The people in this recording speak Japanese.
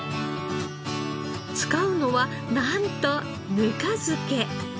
使うのはなんとぬか漬け！